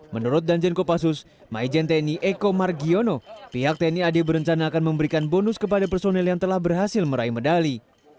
menurut danjen kopassus maijen tni eko margiono pihak tni ad berencana akan memberikan bonus kepada personel yang telah berhasil meraih medali